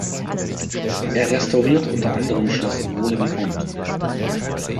Er restaurierte unter anderem Schloss Vaux-le-Vicomte.